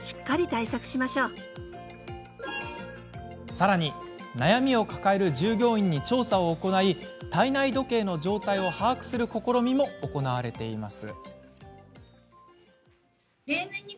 さらに、悩みを抱える従業員に調査を行い体内時計の状態を把握する試みも行われています。